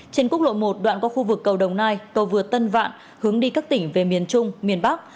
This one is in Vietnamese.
trên quốc lộ một đoạn qua khu vực cầu đồng nai cầu vượt tân vạn hướng đi các tỉnh về miền trung miền bắc